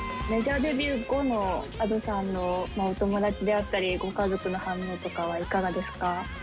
メジャーデビュー後のＡｄｏさんのお友達であったり、ご家族の反応とかはいかがですか。